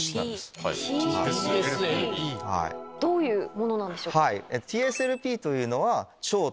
どういうものなんでしょうか？